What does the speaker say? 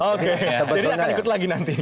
oke jadi akan ikut lagi nanti